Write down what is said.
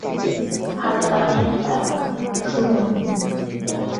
হালকা নীল এবং সুগন্ধি।